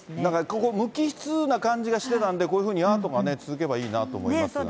ここ、無機質な感じがしてたんで、こういうふうにアートが続けばいいなと思いますが。